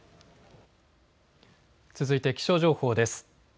続いて気象情報です。